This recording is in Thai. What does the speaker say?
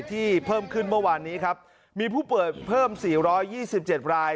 ที่เพิ่มขึ้นเมื่อวานนี้ครับมีผู้เปิดเพิ่มสี่ร้อยยี่สิบเจ็ดราย